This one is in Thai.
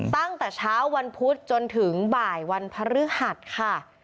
ตั้งแต่เช้าวันพุธจนถึงบ่ายวันพฤหัสค่ะ